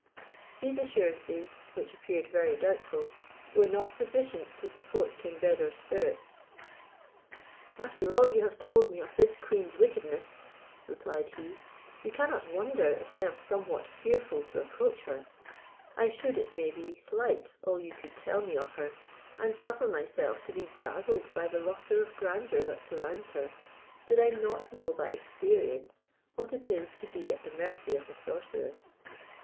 These assurances, which appeared very doubtful, were not sufficient to support King Beder's spirits. "After all you have told me of this queen's wickedness," replied he, "you cannot wonder if I am somewhat fearful to approach her: I should, it may be, slight all you could tell me of her, and suffer myself to be dazzled by the lustre of grandeur that surrounds her, did I not know by experience what it is to be at the mercy of a sorceress.